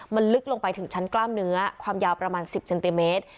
มันลึกลงไปถึงชั้นกล้ามเนื้อความยาวประมาณ๑๐เซนติเมตร